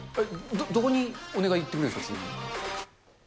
どこにお願い行ってくれるんですか？